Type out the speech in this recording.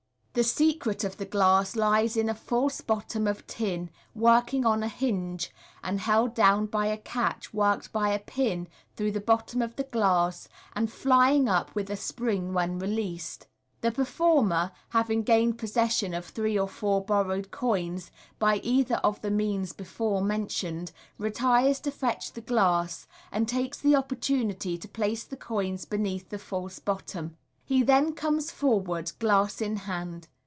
The secret of the glass lies in a false bottom of tin, working on a hinge, and held down by a catch worked by a pin through the bottom of the glass, and flying up with a spring when released. The per former, having gained possession of three or four borrowed coins by either of the means before mentioned, retires to fetch the glass, and takes the opportunity to place the coins beneath the false bottom. He then comes forward, glass in hand.